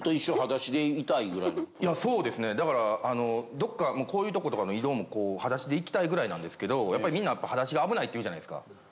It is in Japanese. どっかこういうとことかの移動も裸足でいきたいぐらいなんですけどやっぱりみんな裸足は危ないって言うじゃないですか。